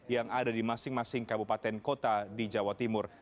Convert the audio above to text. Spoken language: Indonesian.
yang ada di masing masing kabupaten kota di jawa timur